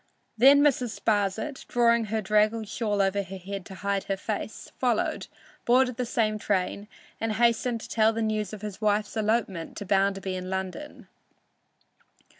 Then Mrs. Sparsit, drawing her draggled shawl over her head to hide her face, followed, boarded the same train, and hastened to tell the news of his wife's elopement to Bounderby in London.